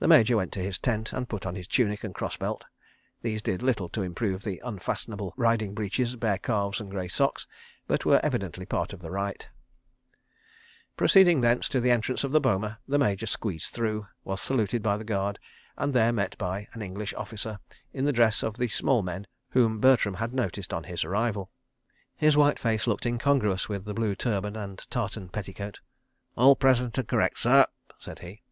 The Major went to his tent and put on his tunic and cross belt. These did little to improve the unfastenable riding breeches, bare calves and grey socks, but were evidently part of the rite. Proceeding thence to the entrance to the boma, the Major squeezed through, was saluted by the guard, and there met by an English officer in the dress of the small men whom Bertram had noticed on his arrival. His white face looked incongruous with the blue turban and tartan petticoat. "All present and correct, sir," said he.